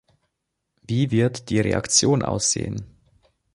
Wie wird die Reaktion aussehen?